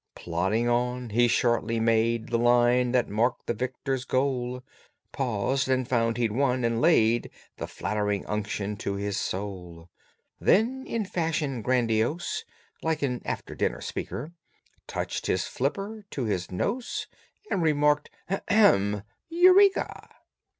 Plodding on, he shortly made the Line that marked the victor's goal; Paused, and found he'd won, and laid the Flattering unction to his soul. Then in fashion grandiose, Like an after dinner speaker, Touched his flipper to his nose, And remarked, "Ahem! Eureka!"